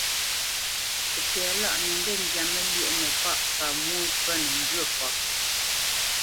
Pətɛ̌lâʼ nə ŋgê zyā məlywəʼnə pa mwô nâ pə́nə ŋgyə̌ kɔ̌p.